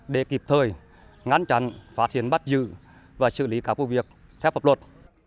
để kịp thời ngăn trăn phá thiến bắt dự và xử lý các vụ việc theo pháp luật